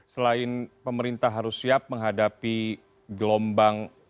selain pemerintah harus siap menghadapi gelombang